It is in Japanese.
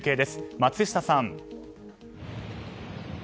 松下さん。